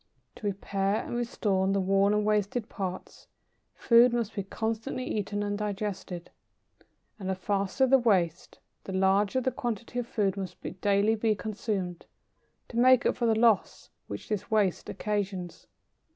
To repair and restore the worn and wasted parts, food must be constantly eaten and digested. And the faster the waste, the larger the quantity of food which must daily be consumed, to make up for the loss which this waste occasions.